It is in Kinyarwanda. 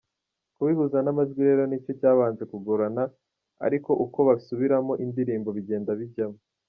Kubihuza n’amajwi rero ni cyo cyabanje kugorana ariko uko basubiramo indirimbo bigenda bijyamo.